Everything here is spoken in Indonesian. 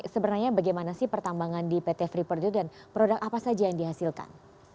sebenarnya bagaimana sih pertambangan di pt freeport itu dan produk apa saja yang dihasilkan